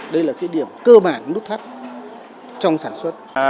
đây là cái điểm cơ bản nút thắt trong sản xuất